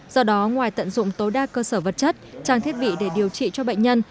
do đó ngoài tận dụng tối đa cơ sở vật chất trang thiết bị để điều trị cho bệnh nhân